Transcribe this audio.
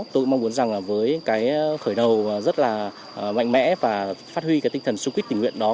tôi mong muốn rằng với khởi đầu rất mạnh mẽ và phát huy tinh thần xuất quýt tình nguyện đó